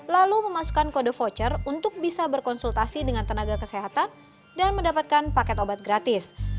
lalu memasukkan kode voucher untuk bisa berkonsultasi dengan tenaga kesehatan dan mendapatkan paket obat gratis